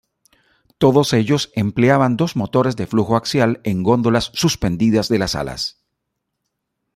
Todos ellos empleaban dos motores de flujo axial en góndolas suspendidas de las alas.